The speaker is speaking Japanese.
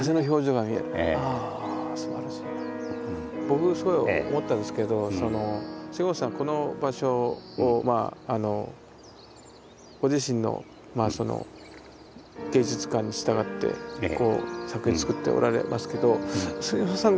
僕すごい思ったんですけど杉本さんはこの場所をご自身のその芸術観に従って作品を作っておられますけど杉本さん